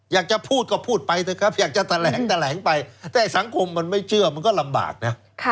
อยากจะพูดก็พูดไปเถอะครับอยากจะแถลงแถลงไปแต่สังคมมันไม่เชื่อมันก็ลำบากนะ